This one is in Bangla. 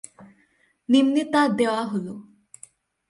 নিম্নে তা দেওয়া হলো-